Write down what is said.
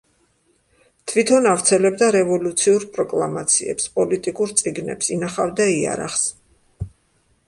თვითონ ავრცელებდა რევოლუციურ პროკლამაციებს, პოლიტიკურ წიგნებს, ინახავდა იარაღს.